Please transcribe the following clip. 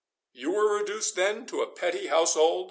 "You were reduced, then, to a petty household?"